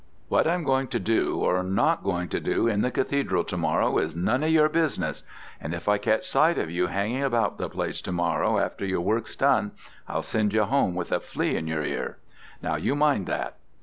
What I'm going to do or not going to do in the Cathedral to morrow is none of your business: and if I catch sight of you hanging about the place to morrow after your work's done, I'll send you home with a flea in your ear. Now you mind that.'